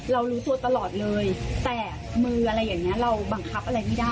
รู้ตัวตลอดเลยแต่มืออะไรอย่างนี้เราบังคับอะไรไม่ได้